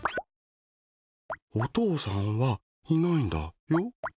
お父さんはいないんだよ。